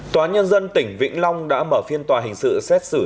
tòa nhân dân tỉnh vĩnh long đã mở phiên tòa hình sự xét xử